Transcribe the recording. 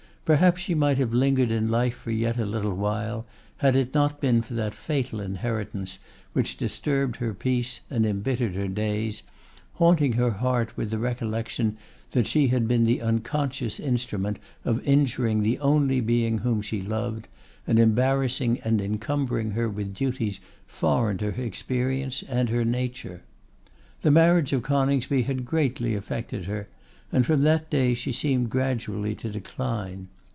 Perhaps she might have lingered in life for yet a little while, had it not been for that fatal inheritance which disturbed her peace and embittered her days, haunting her heart with the recollection that she had been the unconscious instrument of injuring the only being whom she loved, and embarrassing and encumbering her with duties foreign to her experience and her nature. The marriage of Coningsby had greatly affected her, and from that day she seemed gradually to decline.